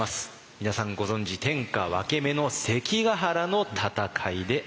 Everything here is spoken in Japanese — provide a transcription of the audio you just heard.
皆さんご存じ天下分け目の関ヶ原の戦いであります。